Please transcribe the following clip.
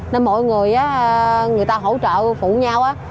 nên mọi người người ta hỗ trợ phụ nhau